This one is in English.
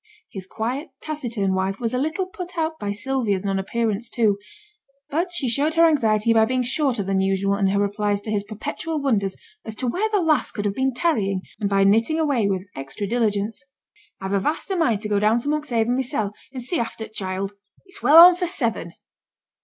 His quiet, taciturn wife was a little put out by Sylvia's non appearance too; but she showed her anxiety by being shorter than usual in her replies to his perpetual wonders as to where the lass could have been tarrying, and by knitting away with extra diligence. 'I've a vast o' mind to go down to Monkshaven mysen, and see after t' child. It's well on for seven.'